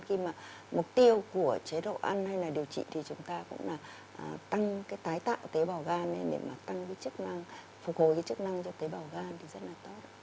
khi mà mục tiêu của chế độ ăn hay là điều trị thì chúng ta cũng là tăng cái tái tạo tế bào gan để mà tăng cái chức năng phục hồi cái chức năng cho tế bào gan thì rất là tốt